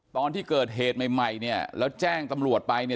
ตอนที่เกิดเหตุใหม่เนี่ยแล้วแจ้งตำรวจไป